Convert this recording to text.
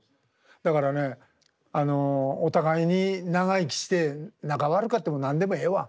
だからねあのお互いに長生きして仲悪かっても何でもええわ。